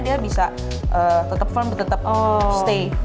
dia bisa tetap firm tetap stay